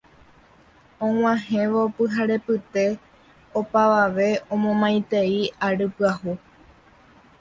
og̃uahẽvo pyharepyte opavave omomaitei ary pyahu